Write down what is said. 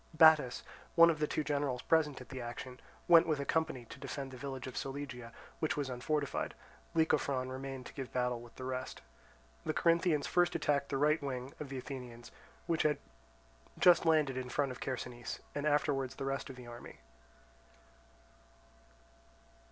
Battus, one of the two generals present at the action, went with a company to defend the village of Solygia, which was unfortified; Lycophron remaining to give battle with the rest. The Corinthians first attacked the right wing of the Athenians, which had just landed in front of Chersonese, and afterwards the rest of the army.